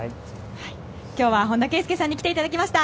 今日は本田圭佑さんに来ていただきました。